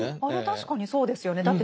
あれ確かにそうですよね。